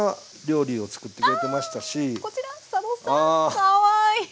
かわいい！